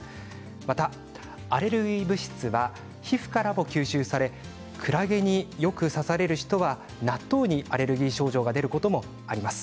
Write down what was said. また、アレルギー物質は皮膚からも吸収されクラゲによく刺される人は納豆にアレルギー症状が出ることもあります。